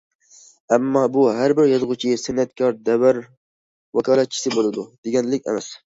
ئەمما بۇ ھەر بىر يازغۇچى، سەنئەتكار دەۋر ۋاكالەتچىسى بولىدۇ، دېگەنلىك ئەمەس.